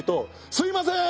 すいません！